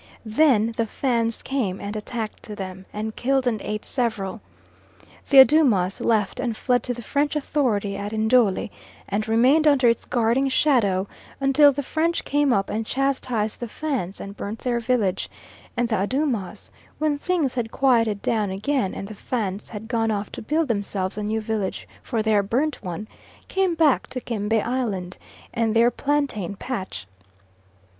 Then the Fans came and attacked them, and killed and ate several. The Adoomas left and fled to the French authority at Njole and remained under its guarding shadow until the French came up and chastised the Fans and burnt their village; and the Adoomas when things had quieted down again and the Fans had gone off to build themselves a new village for their burnt one came back to Kembe Island and their plantain patch.